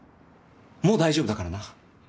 もう大丈夫だからな